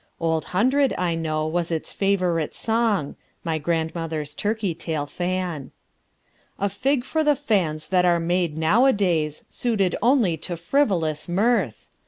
Old Hundred, I know, was its favorite song My grandmother's turkey tail fan. A fig for the fans that are made nowadays, Suited only to frivolous mirth!